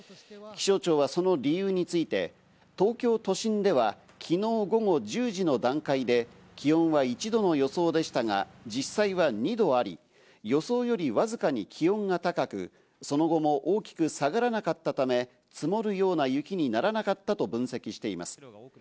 気象庁はその理由について、東京都心では昨日午後１０時の段階で気温は１度の予想でしたが、実際は２度あり、予想よりわずかに気温が高く、その後も大きく下がらなかったため、積もるような雪にならなかったと分析しています。